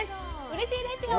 うれしいですよ。